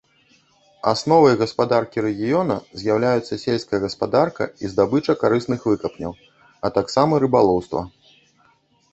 Асновай гаспадаркі рэгіёна з'яўляюцца сельская гаспадарка і здабыча карысных выкапняў, а таксама рыбалоўства.